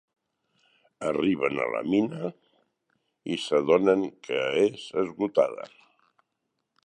Arriben a la mina, i s'adonen que és esgotada.